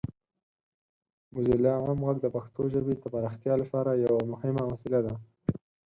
موزیلا عام غږ د پښتو ژبې د پراختیا لپاره یوه مهمه وسیله ده.